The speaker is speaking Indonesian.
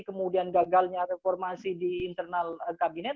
kemudian gagalnya reformasi di internal kabinet